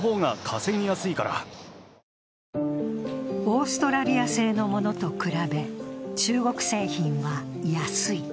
オーストラリア製のものと比べ、中国製品は安い。